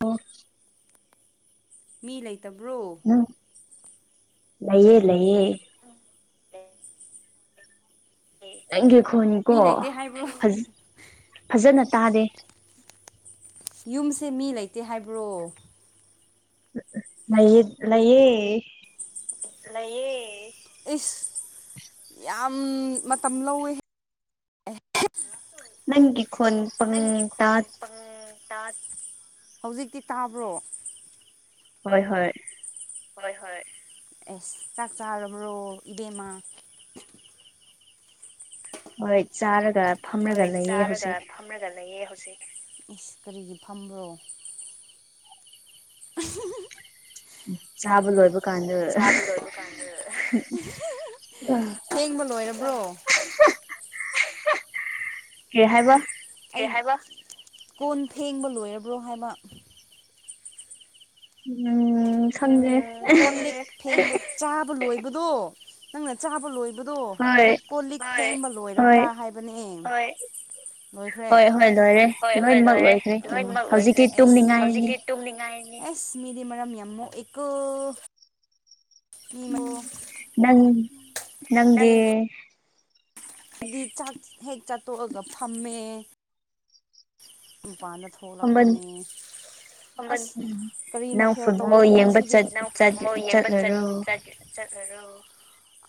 ꯑꯣ ꯃꯤ ꯂꯩꯇꯕ꯭ꯔꯣ ꯎꯝ ꯂꯩꯌꯦ ꯂꯩꯌꯦ ꯅꯪꯒꯤ ꯈꯣꯟꯅꯤꯀꯣ ꯃꯤ ꯂꯩꯇꯦ ꯍꯥꯏꯕ꯭ꯔꯣ ꯐꯖ ꯐꯖꯅ ꯇꯥꯗꯦ ꯌꯨꯝꯁꯦ ꯃꯤ ꯂꯩꯇꯦ ꯍꯥꯏꯕ꯭ꯔꯣ ꯂꯩꯌꯦ ꯂꯩꯌꯦ ꯂꯩꯌꯦ ꯏꯁꯁ ꯌꯥꯝ ꯃꯇꯝ ꯂꯧꯋꯦ ꯅꯪꯒꯤ ꯈꯣꯟ ꯄꯪ ꯅꯪꯒꯤ ꯈꯣꯟ ꯇꯥꯠ ꯄꯪ ꯇꯥꯠ ꯍꯧꯖꯤꯛꯇꯤ ꯇꯥꯕ꯭ꯔꯣ ꯍꯣꯏ ꯍꯣꯏ ꯍꯣꯏ ꯍꯣꯏ ꯑꯦꯁ ꯆꯥꯛ ꯆꯥꯔꯕ꯭ꯔꯣ ꯏꯗꯦꯝꯃ ꯍꯣꯏ ꯆꯥꯔꯒ ꯍꯣꯏ ꯐꯝꯔꯒ ꯂꯩꯌꯦ ꯆꯥꯔꯒ ꯍꯧꯖꯤꯛ ꯐꯝꯔꯒ ꯂꯩꯌꯦ ꯍꯧꯖꯤꯛ ꯏꯁ ꯀꯔꯤꯒꯤ ꯐꯝꯕ꯭ꯔꯣ ꯆꯥꯕ ꯂꯣꯏꯕ ꯀꯥꯟ ꯆꯥꯕ ꯂꯣꯏꯕ ꯀꯥꯟꯗ [unintelligible] ꯐꯦꯡꯕ ꯂꯣꯏꯔꯕ꯭ꯔꯣ ꯀꯩ ꯍꯥꯏꯕ ꯀꯩ ꯍꯥꯏꯕ ꯀꯣꯟ ꯐꯡꯕ ꯂꯣꯏꯔꯕ꯭ꯔꯣ ꯍꯥꯏꯕ ꯎꯝ ꯐ ꯈꯪꯗꯦ [unintelligible] ꯆꯥꯕ ꯂꯣꯏꯕꯗꯣ ꯅꯪꯅ ꯆꯥꯕ ꯂꯣꯏꯕ ꯑꯗꯨꯗꯣ ꯑꯗꯨ ꯍꯣꯏ ꯀꯣꯜ ꯂꯤꯛ ꯐꯦꯡꯕ ꯍꯣꯏ ꯂꯣꯏꯔꯕ꯭ꯔꯥ ꯍꯥꯏꯕꯅꯦ ꯂꯣꯏꯈ꯭ꯔꯦ ꯍꯣꯏ ꯍꯣꯏ ꯂꯣꯏꯔꯦ ꯍꯣꯏ ꯍꯣꯏ ꯂꯣꯏꯅꯃꯛ ꯂꯣꯏꯔꯦ ꯂꯣꯏꯈ꯭ꯔꯦ ꯎꯝ ꯂꯣꯏꯅꯃꯛ ꯂꯣꯏꯈ꯭ꯔꯦ ꯍꯧꯖꯤꯛꯇꯤ ꯍꯧꯖꯤꯛ ꯇꯨꯝꯅꯤꯡꯉꯥꯏꯅꯤ ꯇꯨꯝꯅꯤꯡꯉꯥꯏꯅꯦ ꯑꯁ ꯃꯤꯗꯤ ꯃꯔꯝ ꯌꯥꯝ ꯃꯣꯛꯏꯀꯣ ꯅꯪ ꯅꯪꯗꯤ ꯍꯥꯏꯗꯤ ꯆꯥꯛ ꯍꯦꯛ ꯆꯥꯠꯇꯣꯛꯑꯒ ꯐꯝꯃꯦ ꯃꯄꯥꯟꯗ ꯐꯝꯕ ꯊꯣꯛꯂꯛꯄꯅꯦ [unintelligible] ꯀꯔꯤ ꯅꯪ ꯃꯊꯦꯜ ꯐꯨꯠꯕꯣꯜ ꯇꯧꯔꯒꯦ ꯌꯦꯡꯕ ꯉꯁꯤꯗꯤ ꯆꯠ ꯅꯪ ꯆꯠ ꯐꯨꯠꯕꯣꯜ ꯌꯦꯡꯕ [unintelligible] ꯆꯠꯂꯔꯣ ꯆꯠꯔꯔꯣ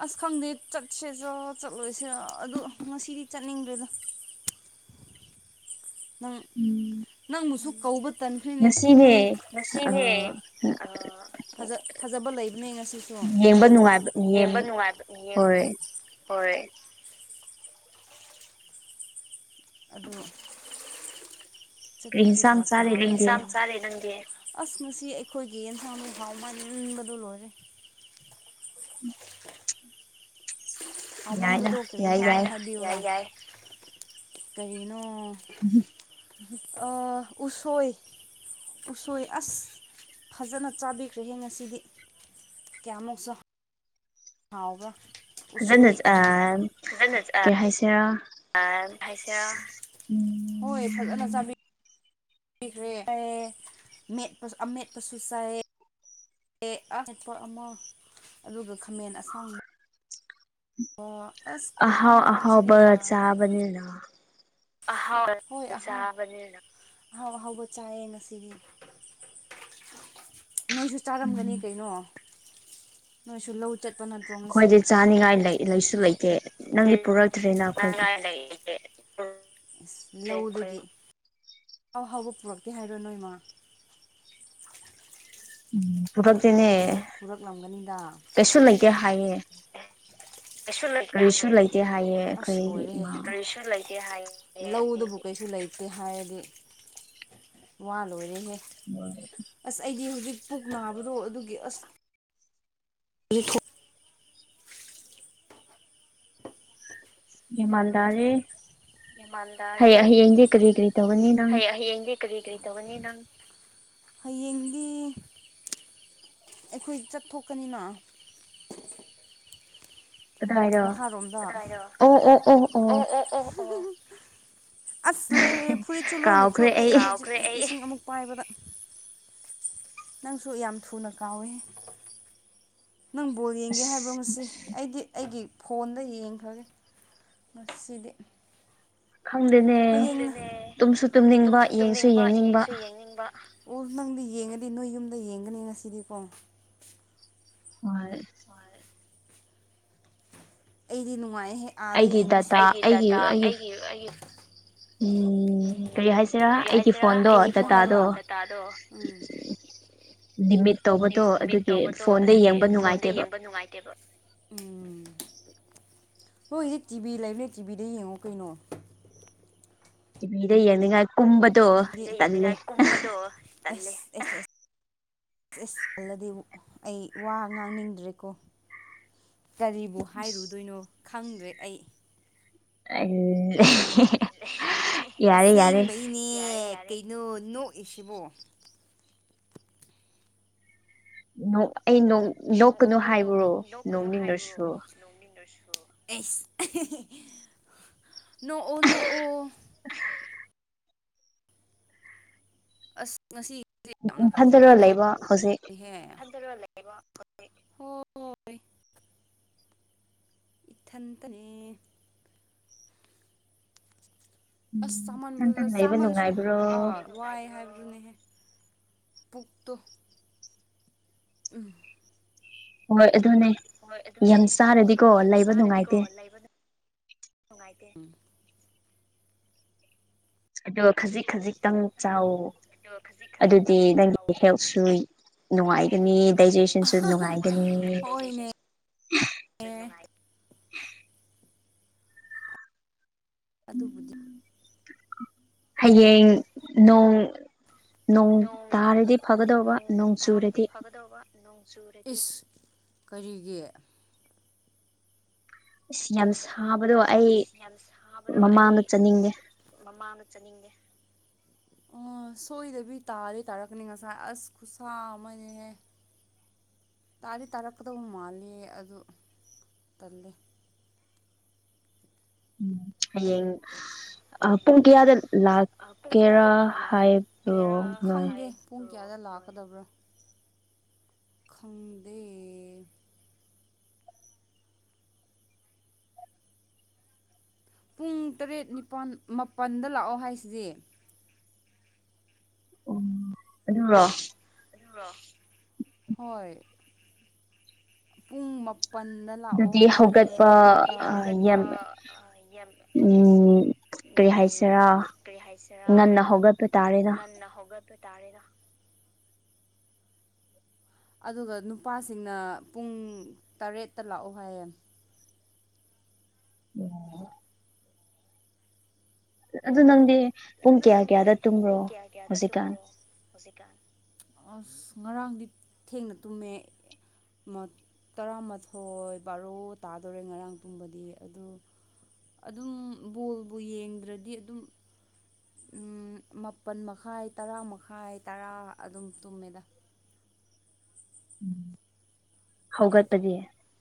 ꯑꯁ ꯈꯪꯗꯦ ꯆꯠꯁꯦꯂ ꯆꯠꯂꯣꯏꯁꯦꯔ ꯑꯗꯣ ꯉꯁꯤꯗꯤ ꯆꯠꯅꯤꯡꯗ꯭ꯔꯦꯗ ꯅꯪ ꯎꯝ ꯅꯪꯕꯨꯁꯨ ꯀꯧꯕ ꯇꯟꯈ꯭ꯔꯤꯅꯦ ꯅꯪ ꯉꯁꯤꯅꯦ ꯑ ꯉꯁꯤꯒꯤ ꯑ [unintelligible] ꯐꯖꯕ ꯂꯩꯕꯅꯦ ꯉꯁꯤ ꯎꯝ ꯌꯦꯡꯕ ꯅꯨꯡꯉꯥꯏꯕ ꯌꯦꯡ ꯌꯦꯡꯕ ꯅꯨꯡꯉꯥꯏꯕꯅꯦ ꯌꯦꯡꯉꯣ ꯍꯣꯏ ꯍꯣꯏ ꯑꯗꯨ ꯀꯔꯤ ꯆꯠꯄꯗꯤ ꯌꯦꯟꯁꯥꯡ ꯐꯔꯛ ꯆꯥꯔꯦ ꯇꯥꯏ ꯀꯩ ꯅꯪꯗꯤ ꯏꯟꯁꯥꯡ ꯆꯥꯔꯦ ꯅꯪꯗꯤ ꯑꯁ ꯉꯁꯤ ꯑꯩꯈꯣꯏꯒꯤ ꯌꯦꯟꯁꯥꯡ ꯗꯣ ꯍꯥꯎꯃꯟꯕꯅ ꯂꯣꯏꯔꯦ ꯌꯥꯏꯗ ꯍꯥꯃꯟꯕꯗꯣ ꯀꯔꯤ ꯌꯥꯏ ꯌꯥꯏ [unintelligible] ꯀꯔꯤꯅꯣ [unintelligible] ꯑ ꯎꯁꯣꯏ ꯎꯁꯣꯏ ꯑꯁ ꯐꯖꯅ ꯆꯥꯕꯤꯈ꯭ꯔꯦꯍꯦ ꯉꯁꯤꯗꯤ ꯀꯌꯥꯃꯨꯛꯁꯨ ꯍꯥꯎꯕꯔꯣ ꯐꯖꯅ ꯎꯁꯣꯏ ꯑ ꯐꯖꯟ ꯀꯩ ꯍꯥꯏꯁꯤꯔꯥ ꯍꯖ [unintelligible] ꯎꯝ ꯍꯣꯏ ꯐꯖꯅ ꯆꯥꯕꯤ [unintelligible] ꯑꯦ ꯑꯃꯦꯠꯄ ꯑꯃ ꯑꯗꯨꯒ ꯈꯥꯃꯦꯟ ꯑꯁꯥꯡꯕ ꯑꯣ ꯑꯁ ꯑꯍꯥꯎ ꯑꯍꯥꯎꯕ ꯈꯨꯍꯥꯎꯁꯤꯗꯤ ꯆꯥꯕꯅꯤꯅ [unintelligible] ꯍꯣꯏ ꯑꯍꯥꯎ ꯍꯥꯎꯕ ꯆꯥꯏ ꯌꯦ ꯉꯁꯤꯒꯤ [unintelligible] ꯅꯣꯏꯁꯨ ꯆꯥꯔꯝꯒꯅꯤ ꯎꯝ ꯀꯩꯅꯣ ꯅꯣꯏꯁꯨ ꯂꯧ ꯆꯠꯄꯅ ꯑꯩꯈꯣꯏꯗꯤ ꯆꯥꯅꯤꯡꯉꯥꯏ ꯂꯩ ꯂꯩꯁꯨ ꯂꯩꯇꯦ [unintelligible] ꯅꯪꯗꯤ ꯄꯨꯔꯛꯇ꯭ꯔꯦꯅ [unintelligible] ꯑꯩꯈꯣꯏꯕꯨ ꯑꯍꯥꯎ ꯍꯥꯎꯕ ꯄꯨꯔꯛꯇꯦ ꯍꯥꯏꯔꯣ ꯅꯣꯏ ꯃꯥ ꯎꯝ ꯄꯨꯔꯛꯇꯦꯅꯦ ꯄꯨꯔꯛꯂꯝꯒꯅꯤꯗ ꯀꯩꯁꯨ ꯂꯩꯇꯦ ꯍꯥꯏꯌꯦ ꯀꯩꯁꯨ ꯂꯩꯇꯦ ꯀꯔꯤꯁꯨ ꯍꯥꯏ ꯂꯩꯇꯦ ꯍꯥꯏꯌꯦ ꯑꯁ ꯑꯩꯈꯣꯏꯒꯤ ꯂꯣꯏꯔꯦꯍꯦ ꯏꯃꯥ ꯀꯔꯤꯁꯨ ꯂꯩ ꯂꯧꯗꯨꯕꯨ ꯀꯩꯁꯨ ꯂꯩꯇꯦ ꯍꯥꯏꯔꯗꯤ ꯋꯥ ꯂꯣꯏꯔꯦꯍꯦ [unintelligible] ꯑꯁ ꯑꯩꯗꯤ ꯍꯧꯖꯤꯛ ꯄꯨꯛ ꯅꯥꯕꯗꯣ ꯑꯗꯨꯒꯤ ꯑꯁ [unintelligible] ꯌꯥꯝꯃꯜꯗꯥꯔꯦ ꯌꯥꯝꯃꯥꯟ ꯍ ꯇꯥꯔꯦ ꯍꯌꯦꯡꯗꯤ ꯀꯔꯤ ꯀꯔꯤ ꯇꯧꯒꯅꯤ ꯅꯪ ꯍꯌꯦꯡ ꯍꯌꯦꯡꯗꯤ ꯀꯔꯤ ꯀꯔꯤ ꯇꯧꯒꯅꯤ ꯅꯪ ꯍꯌꯦꯡꯗꯤ ꯑꯩꯈꯣꯏ ꯆꯠꯊꯣꯛꯀꯅꯤꯅ ꯀꯗꯥꯏꯔꯣ ꯃꯍꯥꯔꯣꯝꯖ ꯑꯣ ꯑꯣ ꯑꯣ ꯑꯣ ꯑꯁ ꯂꯣꯏꯔꯦ ꯐꯨꯔꯤꯠ ꯆꯂꯣꯏꯅ ꯀꯥꯎꯈ꯭ꯔꯦ ꯆꯣꯠꯂꯦ ꯑꯩ ꯭ꯔꯦ ꯑꯩꯪ ꯑꯃꯨꯛ ꯄꯥꯏꯕꯗ ꯅꯪꯁꯨ ꯌꯥꯝ ꯊꯨꯅ ꯀꯥꯎꯋꯦ ꯅꯪ ꯕꯣꯜ ꯌꯦꯡꯒꯦ ꯍꯥꯏꯕ꯭ꯔꯣ ꯑꯁ ꯉꯁꯤ ꯑꯩꯗꯤ ꯑꯩꯒꯤ ꯐꯣꯟꯗ ꯌꯦꯡꯈ꯭ꯔꯒꯦ ꯉꯁꯤꯗꯤ ꯈꯪꯗꯦꯅꯦ ꯅꯦ ꯇꯨꯝꯁꯨ ꯇꯨꯝꯅꯤꯡꯕ ꯇꯨꯝꯁꯨ ꯌꯦꯡꯁꯨ ꯇꯨꯝꯅꯤꯡꯕ ꯌꯦꯡꯅꯤꯡꯕ ꯌꯦꯡꯁꯨ ꯌꯦꯡꯅꯤꯡꯕ ꯑꯣ ꯅꯪꯗꯤ ꯌꯦꯡꯉꯗꯤ ꯅꯣꯏ ꯌꯨꯝꯗ ꯌꯦꯡꯒꯅꯤ ꯉꯁꯤꯗꯤꯀꯣ ꯍꯣꯏ ꯑꯩꯗꯤ ꯅꯨꯡꯉꯥꯏ ꯍꯦꯛ ꯑꯥꯗ ꯑꯩꯒꯤ ꯌꯦꯡꯕꯁꯨ ꯗꯇꯥ ꯑꯩꯒꯤ ꯗꯇꯥ ꯑꯩꯒꯤꯒꯤ ꯎꯝ ꯎꯝ ꯀꯔꯤ ꯍꯥꯏꯁꯤꯔꯥ ꯀꯔꯤ ꯑꯩꯒꯤ ꯍꯥꯏꯁꯤꯔꯥ ꯐꯣꯟꯗꯣ ꯑꯩꯒꯤ ꯐꯣꯟꯗꯣ ꯗꯇꯥꯗꯣ ꯗꯇꯥꯗꯣ ꯂꯤꯃꯤꯠ ꯇꯧꯕꯗꯣ ꯂꯤꯃꯤꯠ ꯑꯗꯨꯒꯤ ꯇꯧꯕꯗꯣ ꯐꯣꯟꯗ ꯑꯗꯨꯒꯤ ꯌꯦꯡꯕ ꯐꯣꯟꯗ ꯅꯨꯡꯉꯥꯏꯇꯦꯕ ꯌꯦꯡꯕ ꯅꯨꯡꯉꯥꯏꯇꯦꯕ ꯎꯝ ꯍꯣꯏ ꯍꯧꯖꯤꯛ ꯇꯤꯚꯤ ꯂꯩꯕꯅꯦ ꯇꯤꯕꯤꯗ ꯌꯦꯡꯉꯣ ꯀꯩꯅꯣ ꯇꯤꯚꯤꯗ ꯌꯦꯡꯅꯤꯡꯉꯥꯏ ꯀꯨꯝꯕꯗꯣ ꯇꯜꯂꯦ ꯇꯣꯦ ꯏꯁꯁ ꯑꯜꯂꯗꯤ ꯑꯩ ꯋꯥ ꯉꯥꯡꯅꯤꯡꯗ꯭ꯔꯦꯀꯣ ꯀꯔꯤꯕꯨ ꯍꯥꯏꯔꯨꯗꯣꯏꯅꯣ ꯈꯪꯗ꯭ꯔꯦ ꯑꯩ ꯑꯩ ꯌꯥꯔꯦ ꯑꯁꯦꯡꯕꯒꯤꯅꯦ ꯀꯩꯅꯣ ꯅꯣꯛꯏꯁꯤꯕꯣ ꯑꯩ ꯅꯣꯛ ꯂꯣꯛꯀꯅꯨ ꯑꯩ ꯅꯣꯛ ꯍꯥꯏꯕ꯭ꯔꯣ ꯅꯣꯛꯀꯅꯨ ꯍꯥꯏꯕ꯭ꯔꯣ ꯅꯣꯛꯅꯤꯡꯂꯁꯨ ꯅꯣꯛꯑꯣ ꯅꯣꯛꯑꯣ ꯑꯁ ꯉꯁꯤ ꯌꯥꯝꯅ ꯏꯊꯟꯇꯔ ꯐꯖꯕꯗꯤ ꯂꯩꯕ ꯍꯧꯖꯤꯛ ꯑꯣꯏꯍꯦ ꯍ ꯏꯊꯟꯇꯅꯤ ꯑꯁ ꯎꯝ ꯆꯥꯃꯜ ꯏꯊꯟꯇ ꯂꯩꯕ ꯆꯥꯃꯜꯁꯨ ꯅꯨꯡꯉꯥꯏꯕ꯭ꯔꯣ ꯑꯥꯎ ꯋꯥꯏ ꯍꯥꯏꯕꯗꯨꯅꯦꯍꯦ ꯄꯨꯛꯇꯣ ꯎꯝ ꯍꯣꯏ ꯑꯗꯨꯅꯦ ꯍꯣꯏ ꯑꯗꯨꯅꯦ ꯌꯥꯝ ꯆꯥꯔꯗꯤꯀꯣ ꯌꯥꯝ ꯂꯩꯕ ꯆꯥꯔꯗꯤꯀꯣ ꯅꯨꯡꯉꯥꯏꯇꯦ ꯂꯩꯕꯗ ꯅꯨꯡꯉꯥꯏꯇꯦ ꯑ ꯈꯖꯤꯛ ꯈꯖꯤꯛꯇꯪ ꯆꯥꯎ ꯑꯗꯣ ꯈꯖꯤꯛ ꯑꯗꯨꯗꯤ ꯈꯖꯤꯛꯇꯪ ꯆꯥꯎꯋꯣ ꯅꯪꯒꯤ ꯍꯦꯜꯠꯁꯨ ꯅꯨꯡꯉꯥꯏꯒꯅꯤ ꯍꯦꯜꯠ ꯁꯨꯏ ꯗꯥꯏꯖꯦꯁꯟꯁꯨ ꯅꯨꯡꯉꯥꯏꯒꯅꯤ ꯗꯥꯏꯖꯦꯁꯟꯁꯨ ꯅꯨꯡꯉꯥꯏ ꯑꯗꯨꯕꯨꯗꯤ ꯍꯌꯦꯡ ꯅꯣꯡ ꯅꯣꯡ ꯇꯥꯔꯗꯤ ꯐꯒꯗꯧꯕ ꯅꯣꯡ ꯆꯨꯔꯗꯤ ꯣꯡ ꯆꯦ ꯏꯁ ꯀꯔꯤꯒꯤ ꯌꯥꯝ ꯁꯥꯕꯗꯣ ꯑꯩ ꯏꯁ ꯌꯥꯝ ꯁꯥꯕꯗꯣ ꯑꯩ ꯃꯃꯥꯡꯗ ꯆꯠꯅꯤꯡꯗꯦ ꯃꯃꯥꯡꯗ ꯆꯠꯅꯤꯡꯒꯦ ꯁꯣꯏꯗꯕꯤ ꯇꯥꯗ ꯇꯥꯔꯛꯀꯅꯤ ꯉꯁꯥꯏ ꯑꯁ ꯈꯨꯠꯁꯥ ꯑꯃꯅꯦꯍꯦ ꯇꯥꯗꯤ ꯇꯥꯔꯛꯄꯗꯕꯨ ꯃꯥꯜꯂꯤ ꯑꯗꯨ ꯇꯜꯂ ꯎꯝ ꯍꯌꯦ ꯄꯨꯡ ꯍꯌꯦꯡ ꯀꯌꯥꯗ ꯑ ꯄꯨꯡ ꯂꯥꯛꯀꯦꯔꯥ ꯀꯌꯥꯗ ꯍꯥꯏꯕ꯭ꯔꯣ ꯂꯥꯛꯀꯦꯔꯥ ꯅꯣꯏ ꯈꯪꯗꯦ ꯄꯨꯡ ꯀꯌꯥꯗ ꯂꯥꯛꯀꯗꯕ꯭ꯔꯣ ꯈꯪꯗꯦ ꯄꯨꯡ ꯇꯔꯦꯠ ꯅꯤꯄꯥꯜ ꯃꯥꯄꯜꯗ ꯂꯥꯛꯑꯣ ꯍꯥꯏꯁꯤꯗꯤ ꯎ ꯍꯣꯏ ꯄꯨꯡ ꯄꯟꯗ ꯂꯥꯛꯑꯣ ꯑꯗꯨꯗꯤ ꯍꯥꯏꯌꯦꯦ ꯍꯧꯒꯠꯄ ꯑꯌꯨꯛꯇꯠꯄ ꯌꯥꯝ ꯌꯥꯝ ꯎꯝ ꯀꯔꯤ ꯍꯥꯏꯁꯔꯥ ꯀꯔꯤ ꯍꯥꯏꯁꯤꯔꯥ ꯉꯟꯅ ꯍꯧꯒꯠꯄ ꯇꯥꯔꯦꯔ ꯑꯗꯨꯒ ꯅꯨꯄꯥꯁꯤꯡꯅ ꯄꯨꯡ ꯇꯔꯦꯠꯇ ꯂꯥꯛꯑꯣ ꯍꯥꯏꯌꯦ ꯑꯣꯝ ꯑꯗꯨ ꯅꯪꯗꯤ ꯄꯨꯡ ꯑꯗꯨ ꯀꯌꯥ ꯅꯪꯗꯤ ꯀꯌꯥꯗ ꯇꯨꯝꯕ꯭ꯔꯣ ꯄꯨꯡ ꯀꯌꯥ ꯀꯌꯥꯗ ꯍꯧꯖꯤꯛꯀꯥꯟ ꯇꯨꯝꯕ꯭ꯔꯣ ꯍꯧꯖꯤꯛꯀꯥꯟ ꯑꯁ ꯉꯔꯥꯡꯗꯤ ꯊꯦꯡꯅ ꯇꯨꯝꯃꯦ ꯇꯔꯥꯃꯥꯊꯣꯏ ꯕꯥꯔꯣ ꯇꯥꯗꯣꯔꯦ ꯉꯔꯥꯡ ꯇꯨꯝꯕꯗꯤ ꯑꯗꯨ ꯑꯗꯨꯝ ꯕꯣꯜꯕꯨ ꯌꯦꯡꯗ꯭ꯔꯗꯤ ꯑꯗꯨꯝ ꯃꯥꯄꯜ ꯃꯈꯥꯏ ꯇꯔꯥ ꯃꯈꯥꯏ ꯇꯔꯥ ꯑꯗꯨꯝ ꯇꯨꯝꯃꯦꯗ [unintelligible] ꯍꯧꯒꯄꯗꯤꯦ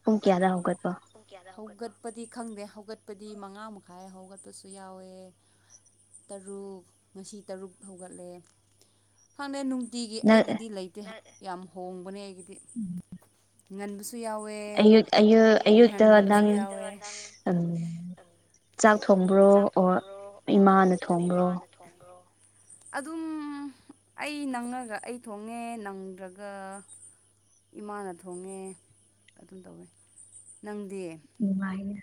ꯍꯧꯒꯠꯄꯒꯦ ꯍꯧꯒꯠꯄꯗꯤ ꯈꯪꯗꯦ ꯍꯧꯒꯠꯄꯗꯤ ꯃꯉꯥ ꯃꯈꯥꯏ ꯍꯧꯒꯠꯄꯁꯨ ꯌꯥꯎꯋꯦ ꯇꯔꯨꯛ ꯉꯁꯤ ꯇꯔꯨꯛ ꯍꯧꯒꯠꯂꯦ ꯍꯪꯅꯦ ꯅꯨꯡꯇꯤꯒꯤ ꯅꯪ ꯑꯩꯒꯤꯗꯤ ꯂꯩꯇꯦ ꯌꯥꯝ ꯍꯣꯡꯕꯅꯦ ꯑꯩꯒꯤꯗꯤ ꯉꯟꯕꯁꯨ ꯌꯥꯎꯋꯦ ꯑꯌꯨꯛ ꯑꯌꯨꯛ ꯑꯌꯨꯛꯇ ꯉꯟꯗꯕꯁꯨ ꯅꯪ ꯌꯥꯎꯋꯦ ꯆꯥꯛ ꯊꯣꯡꯕ꯭ꯔꯣ ꯆꯥꯛ ꯑꯣꯔ ꯊꯣꯡꯕ꯭ꯔꯣ ꯑꯣꯔ ꯏꯃꯥꯅ ꯊꯣꯡꯕ꯭ꯔꯣ ꯏꯃꯥꯅ ꯊꯣꯡꯕ꯭ꯔꯣ ꯑꯗꯨꯝ ꯑꯩ ꯅꯪꯉꯒ ꯑꯩ ꯊꯣꯡꯉꯦ ꯅꯪꯗ꯭ꯔꯒ ꯏꯃꯥꯅ ꯊꯣꯡꯉꯦ ꯑꯗꯨꯝ ꯇꯧꯋꯦ ꯅꯪꯗꯤ ꯅꯨꯡꯉꯥꯏꯦ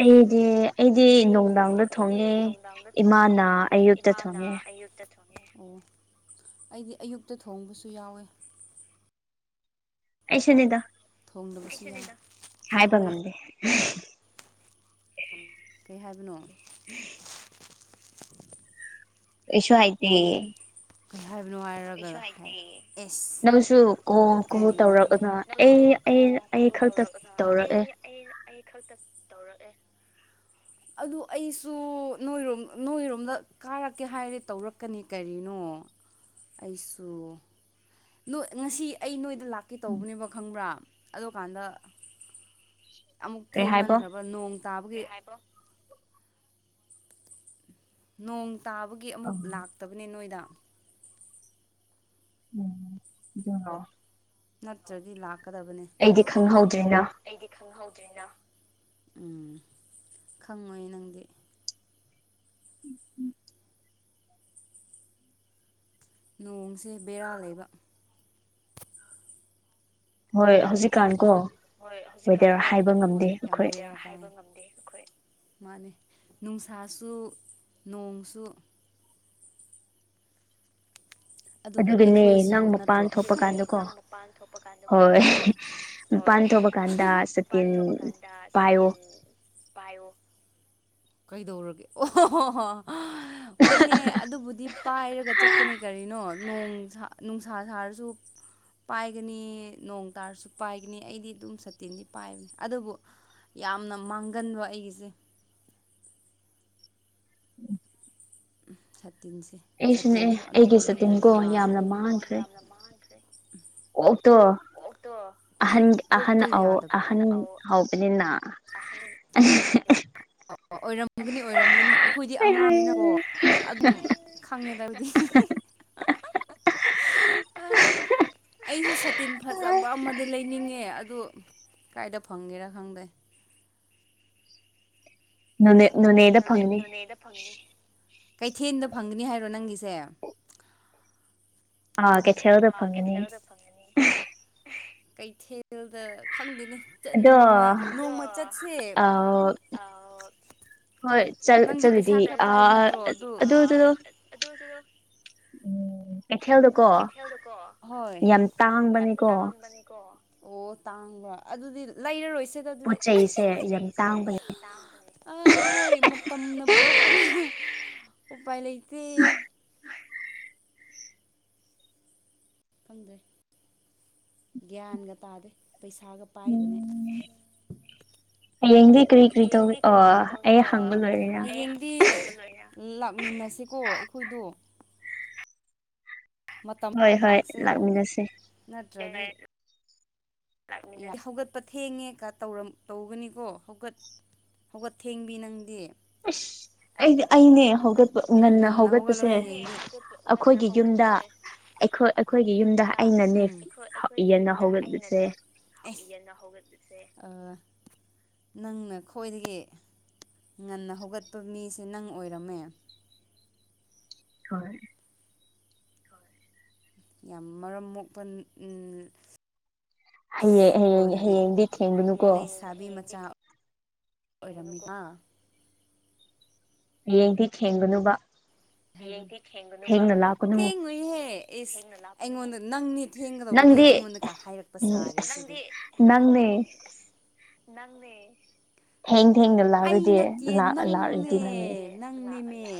ꯑꯩꯗꯤꯦ ꯑꯩꯗꯤ ꯑꯩꯗꯤ ꯅꯨꯡꯗꯥꯡꯗ ꯊꯣꯡꯉꯦ ꯏꯃꯥꯅ ꯑꯌꯨꯛꯇ ꯏꯃꯥꯅ ꯊꯣꯡꯉꯦ ꯑꯌꯨꯛꯇ ꯊꯣꯡꯉꯦ ꯑꯣ ꯑꯩꯗꯤ ꯑꯌꯨꯛꯇ ꯊꯣꯡꯕꯁꯨ ꯌꯥꯎꯋꯦ ꯑꯦꯁꯅꯤꯗ ꯊꯣꯡꯗꯅꯕ ꯍꯥꯏꯕ ꯉꯝꯗꯤ ꯀꯩ ꯍꯥꯏꯕꯅꯣ ꯑꯦꯁꯣ ꯍꯥꯏꯥꯏꯇ ꯍꯥꯏꯕ ꯅꯨꯡꯉꯥꯏꯔꯒ ꯅꯪꯁꯨ ꯀꯣ ꯀꯣ ꯇꯧꯔꯛꯅ ꯅꯪꯁꯨ ꯑꯩ ꯀꯣ ꯑꯩ ꯀꯣ ꯑꯩ ꯈꯛꯇ ꯇꯧꯔꯛꯑꯅ ꯇꯧꯔꯛꯑꯦ ꯑꯩ ꯑꯩ ꯑꯩ ꯈꯛꯇ ꯇꯧꯔꯛꯑꯦ ꯑꯗꯨ ꯑꯩꯁꯨ ꯅꯣꯏꯔꯣꯝ ꯅꯣꯏꯔꯣꯝꯗ ꯀꯥꯔꯛꯀꯦ ꯍꯥꯏꯔꯦ ꯇꯧꯔꯛꯀꯅꯤ ꯀꯔꯤꯅꯣ ꯑꯩꯁꯨ ꯅꯣꯏ ꯉꯁꯤ ꯑꯩ ꯅꯣꯏꯗ ꯂꯥꯛꯀꯦ ꯇꯧꯕꯅꯦꯕ ꯈꯪꯕ꯭ꯔꯥ ꯑꯗꯨꯀꯥꯟꯗ ꯑꯃꯨꯛ ꯀꯩ ꯍꯥꯏꯕꯣ ꯊꯦꯡꯃꯟꯈ꯭ꯔꯕ ꯅꯣꯡ ꯇꯥꯕꯒꯤꯕ ꯅꯣꯡ ꯇꯥꯕꯒꯤ ꯑ ꯑꯃꯨꯛ ꯎꯝ ꯂꯥꯛꯇꯕꯅꯦ ꯅꯣꯏꯗ ꯎꯝ ꯌꯥ ꯅꯠꯇ꯭ꯔꯗꯤ ꯂꯥꯛꯀꯗꯕꯅꯦ ꯑꯩꯗꯤ ꯈꯪꯍꯧꯗ꯭ꯔꯤꯅ ꯑꯩꯗꯤ ꯈꯪꯍꯧꯗ꯭ꯔꯦꯅ ꯎꯝ ꯈꯪꯉꯣꯏ ꯅꯪꯗꯤ ꯎꯝ ꯎꯝ ꯅꯣꯡꯁꯦ ꯕꯦꯔꯥ ꯂꯩꯕ ꯍꯣꯏ ꯍꯧꯖꯤꯛꯀꯥꯟ ꯀꯣ ꯍꯣꯏ ꯍꯧꯖꯤꯛꯀꯥꯟ ꯀꯣ ꯍꯣꯏ ꯌꯥꯝ ꯍꯥꯏꯕ ꯉꯝꯗꯦ ꯑꯩꯈꯣꯏ ꯃꯥꯅꯦ ꯅꯨꯡꯁꯥꯁꯨ ꯅꯣꯡꯁꯨ ꯑꯗꯨꯒ ꯑꯗꯨꯒꯅꯦ ꯑꯩꯈꯣꯏꯁꯨ ꯅꯪ ꯃꯄꯥꯟ ꯅꯠꯇ꯭ꯔꯣ ꯊꯣꯛꯄ ꯀꯥꯟꯗꯀꯣ ꯅꯪ ꯃꯄꯥꯟ ꯊꯣꯛꯄ ꯀꯥꯟꯗꯣ ꯍꯣꯏ ꯎꯝ ꯃꯄꯥꯟ ꯍꯣꯏ ꯊꯣꯛꯄ ꯀꯥꯟꯗ ꯃꯄꯥꯟ ꯁꯇꯤꯟ ꯊꯣꯛꯄ ꯀꯥꯟꯗ ꯄꯥꯏꯌꯣ ꯁꯇꯤꯟ ꯄꯥꯏꯣ ꯀꯩꯗꯧꯔꯒꯦ ꯑꯣ ꯍꯣ ꯍꯣ ꯍꯣꯏꯅꯦ ꯑꯗꯨꯕꯨꯗꯤ ꯄꯥꯏꯔꯒ ꯆꯠꯀꯅꯤ ꯀꯔꯤ ꯀꯩꯅꯣ ꯅꯨꯡꯁꯥ ꯁꯥꯔꯁꯨ ꯄꯥꯏꯒꯅꯤ ꯅꯣꯡ ꯇꯥꯔꯁꯨ ꯄꯥꯏꯒꯅꯤ ꯑꯩꯗꯤ ꯑꯗꯨꯝ ꯁꯇꯤꯟꯗꯤ ꯄꯥꯏꯕꯅꯤ ꯑꯗꯨꯕꯨ ꯌꯥꯝꯅ ꯃꯥꯡꯒꯟꯕ ꯑꯩꯒꯤꯁꯦ ꯎꯝ ꯁꯥꯇꯤꯟꯁꯦ ꯑꯩꯁꯨꯅꯦ ꯁꯥꯇꯤꯟꯁꯨ ꯑꯩꯒꯤ ꯑꯅꯧꯕ ꯂꯩꯗ꯭ꯔꯗꯤ ꯁꯇꯤꯟꯀꯣ ꯌꯥꯔ ꯌꯥꯝꯅ ꯌꯥꯝꯅ ꯃꯥꯡꯈ꯭ꯔꯦ [inaudible] ꯑꯣ ꯇꯣ ꯀꯣꯛꯇꯣ ꯑꯍꯟ ꯑꯍꯟ ꯑꯍꯟ ꯍꯧꯕꯅꯤꯅ ꯑꯍ [unintelligible] ꯑꯣꯏꯔꯝ ꯑꯗꯨꯒꯤ ꯑꯣꯏꯔꯝꯒꯅꯤ ꯑꯩꯈꯣꯏꯗꯤ ꯑꯉꯥꯡꯅꯤꯅꯀꯣ ꯑꯗꯨꯝ ꯈꯪꯉꯦꯗ ꯑ ꯑꯩꯁꯨ ꯁꯇꯤꯟ ꯐꯖꯕ ꯑꯃꯗꯤ ꯂꯩꯅꯤꯡꯉꯦ ꯑꯗꯨ ꯀꯥꯏꯗ ꯐꯪꯒꯦꯔꯥ ꯈꯪꯗꯦ ꯅ‌ꯣꯅꯦ ꯅꯣꯅꯦꯗ ꯐꯪꯅꯤ ꯅ‌ꯦꯗ ꯐꯪꯅꯤ ꯀꯩꯊꯦꯜꯗ ꯐꯪꯒꯅꯤ ꯍꯥꯏꯔꯣ ꯅꯪꯒꯤꯁꯦ ꯑꯥ ꯀꯩꯊꯦꯜꯗ ꯑ ꯐꯪꯒꯅꯤ ꯀꯩꯊ‌ꯦꯜ ꯗ ꯀꯩꯊꯦꯜꯗ ꯈꯪꯗꯦꯅꯦ ꯑꯗꯣ ꯅꯣꯡꯃ ꯅꯣꯡꯃ ꯆꯠꯁꯦ ꯑꯥ ꯑ‌ꯧ ꯍꯣꯏ ꯆꯠ ꯅꯪꯗꯤ ꯄꯩꯁꯥ ꯆꯠꯂꯗꯤ ꯈꯔ ꯄꯥꯏꯕ ꯑꯥ ꯅꯠꯇ꯭ꯔꯣ ꯑꯗꯨ ꯑ ꯑꯗꯨꯗꯣ ꯑꯗꯨ ꯑꯗꯨ ꯎꯝ ꯈꯩꯊ‌‌ꯦꯜꯗ‌‌‍ꯣ ꯀꯩꯊꯦꯜꯗꯀꯣ ꯍꯣꯏ ꯌꯥꯝ ꯇꯥꯡꯕꯅꯤꯀꯣ ꯇꯥꯡꯕꯅꯤꯀꯣ ꯑꯣ ꯇꯥꯡꯕ ꯑꯗꯨꯗꯤ ꯂꯩꯔꯔꯣꯏꯁꯤꯗ ꯑꯗꯨꯗꯤ ꯄꯣꯠ ꯄ‌ꯣꯠ ꯆꯩꯁꯦ ꯌꯥꯝ ꯆꯩꯁ‌ꯦ ꯇꯥꯡꯕꯅꯦ ꯌꯥꯝ ꯇꯥꯡꯕꯅ‌‌ꯦ ꯑꯥ ꯍꯣꯏ ꯃꯇꯝꯅ ꯄꯨꯔꯛꯄꯅꯤꯅ ꯎꯄꯥꯏ ꯂꯩꯇꯦ ꯈꯪꯗꯦ ꯒ꯭ꯌꯥꯟꯒ ꯇꯥꯗꯦ ꯄꯩꯁꯥꯒ ꯄꯥꯏꯕꯅꯦ ꯎꯝ ꯍꯌꯦꯡꯗꯤ ꯀꯔꯤ ꯀꯔꯤ ꯇꯧ ꯍꯌꯦꯡꯗꯤ ꯀꯔꯤ ꯀꯔꯤ ꯑꯣ ꯇꯧꯏ ꯑꯩ ꯑ‌ꯣ ꯍꯪꯕ ꯂꯣꯏꯔꯦꯅ ꯍꯌ‌ꯦꯡꯗꯤ ꯂꯥꯛꯃꯤꯟꯅꯁꯤꯀꯣ ꯑꯩꯈꯣꯏꯗꯣ ꯃꯇꯝ ꯍꯣꯏ ꯍꯣꯏ ꯂꯥꯛꯁꯦ ꯂꯥꯛꯃꯤꯟꯅꯁꯦ ꯅꯠꯇ꯭ꯔꯒ ꯂꯥꯛꯃꯤꯟ ꯅ ꯁ‌ꯦ ꯍꯧꯒꯠꯄ ꯊꯦꯡꯉꯦ ꯀꯥ ꯇꯧꯔꯝ ꯇꯧꯒꯅꯤꯀꯣ ꯍꯧꯒꯠ ꯍꯧꯀꯠ ꯊꯦꯡꯕꯤ ꯅꯪꯗꯤ ꯑꯁ ꯑꯩꯗꯤ ꯑꯩꯅꯦ ꯍꯧꯒꯠ ꯉꯟꯅ ꯍꯧꯒꯠꯂꯣ ꯍꯧꯒꯠꯄꯁꯦ ꯍꯌꯦꯡꯗꯤ ꯉꯟꯅ ꯑꯩꯈꯣꯏꯒꯤ ꯌꯨꯝꯗ ꯍꯧꯒꯠꯄꯁꯦ ꯑꯩꯈꯣꯏ ꯑꯩꯈꯣꯏꯒꯤ ꯌꯨꯝꯗ ꯑꯩꯅꯅꯦ ꯌꯦꯟꯅ ꯍꯧꯒꯠꯄꯁꯦ ꯌꯦꯅ ꯍꯧꯒꯠꯄꯁ‌ꯦ ꯑ ꯅꯪꯅ ꯈ꯭ꯋꯥꯏꯗꯒꯤ ꯉꯟꯅ ꯍꯧꯒꯠꯄ ꯃꯤꯁꯦ ꯅꯪ ꯑꯣꯏꯔꯝꯃꯦ ꯍꯣꯏ ꯌꯥꯝ ꯃꯔꯝ ꯃꯣꯛꯄ ꯎꯝ ꯍꯌꯦꯡ ꯑꯌ‌‌ꯦꯡ ꯍꯌꯦꯡꯗꯤ ꯊꯦꯡꯒꯅꯨꯀꯣ ꯊꯥꯕꯤ ꯃꯆꯥ ꯑꯣꯏꯔꯝꯃꯤꯕ ꯍꯌꯦꯡꯗꯤ ꯊꯦꯡꯒꯅꯨꯕ ꯍꯌ‌ꯦꯡꯗꯤ ꯊꯦꯡꯒꯨꯕ ꯊꯦꯡꯅ ꯂꯥꯛꯀꯅꯨ ꯊ‌‌ꯦꯡꯉ‌ꯣꯏ ꯍ‍ꯦ ꯏꯁ ꯑꯩꯉꯣꯟꯗ ꯅꯪꯅꯤ ꯊꯦꯡꯒꯗꯧꯕꯗꯤ ꯅꯪꯗꯤ ꯑꯩꯉꯣꯟꯗꯒ ꯍꯥꯏꯔꯛꯄ ꯎꯝ ꯁꯥꯔꯤ ꯑꯁ ꯁꯤꯗꯤ ꯅꯪꯅꯦ ꯅꯪꯗꯤ ꯅꯪꯅꯦ ꯊꯦꯡ ꯊꯦꯡꯅ ꯑꯩ ꯂꯥꯛꯔꯗꯤ ꯅꯠꯇꯤꯌ‌ꯦ ꯅꯪꯅꯦ ꯂꯥꯛꯔꯗꯤ ꯅꯪꯅꯤꯃꯤ